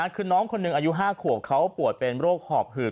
คือน้องคนหนึ่งอายุ๕ขวบเขาป่วยเป็นโรคหอบหืด